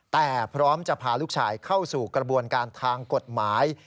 แต่พร้อมจะพาลูกชายเข้าสู่กระบวนการทางกฎหมาย